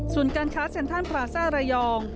การค้าเซ็นทรัลพราซ่าระยอง